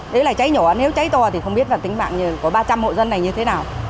đấy là cháy nhỏ nếu cháy to thì không biết là tính bạn có ba trăm linh hộ dân này như thế nào